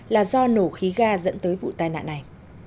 là do nổ khí ga dẫn tới vụ tai nạn này